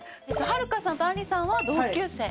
はるかさんとあんりさんは同級生。